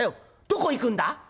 「どこ行くんだ？」。